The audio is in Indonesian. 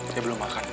dia belum makan